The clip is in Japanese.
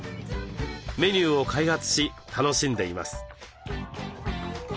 メニューを開発し楽しんでいます。